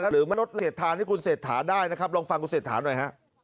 และมนุษย์เศรษฐานให้คุณเศสถาได้ลองฟังคุณเศสถาหน่อย